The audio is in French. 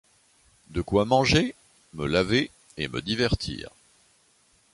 De quoi manger, me laver, et me divertir.